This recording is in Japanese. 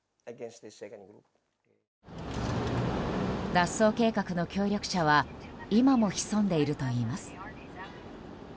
脱走計画の協力者は今も潜んでいるといいます。